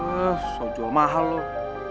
eh soal jual mahal loh